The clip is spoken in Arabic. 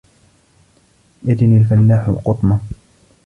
يَجْنِي الْفَلاَحُ الْقُطْنَ.